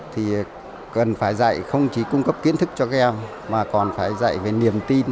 thì cần phải dạy không chỉ cung cấp kiến thức cho các em mà còn phải dạy về niềm tin